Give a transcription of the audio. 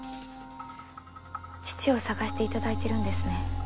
父を捜していただいてるんですね。